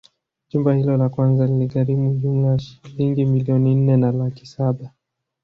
Jumba hilo la kwanza liligharimu jumla ya Shilingi milioni nne na laki Saba